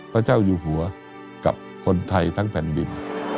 พระเจ้าอยู่หัวกับคนไทยทั้งแผ่นดิน